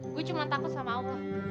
gue cuma takut sama allah